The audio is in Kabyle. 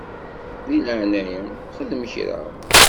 Di leɛnaya-m xdem kra.